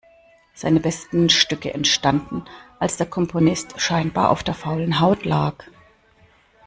Seine besten Stücke entstanden, als der Komponist scheinbar auf der faulen Haut lag.